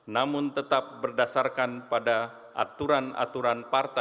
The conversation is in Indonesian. namun tetap berdasarkan keinginan dan keinginan yang terhadap kita